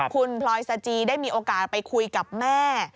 คุณพลอยสจีได้มีโอกาสไปคุยกับแม่